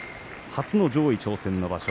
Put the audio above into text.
初の上位挑戦の場所